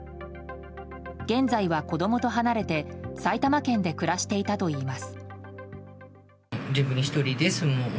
現在は子供と離れて埼玉県で暮らしていたといいます。